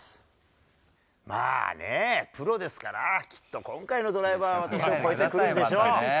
まあね、プロですから、きっと今回のドライバーは私を超えてくるでしょう。